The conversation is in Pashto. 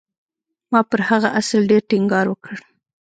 ما پر هغه اصل ډېر ټينګار وکړ.